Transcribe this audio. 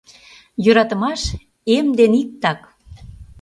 Йӧратымаш — эм дене иктак.